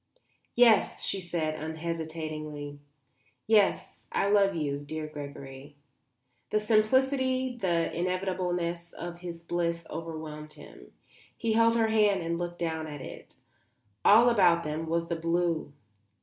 "Yes," she said, unhesitatingly. "Yes, I love you, dear Gregory." The simplicity, the inevitableness of his bliss overwhelmed him. He held her hand and looked down at it. All about them was the blue.